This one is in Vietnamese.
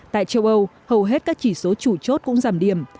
tại châu âu hầu hết các chỉ số chủ chốt cũng giảm điểm